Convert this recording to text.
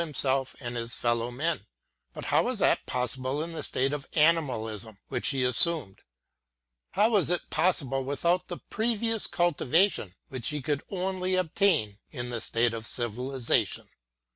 I his Fellow men, But how was that possible in ►f animalism which he assumed, how was it possible without the previous culture which he could only obtain in the state of civilization?